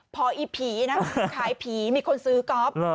พออีผีนะขายผีมีคนซื้อก๊อฟ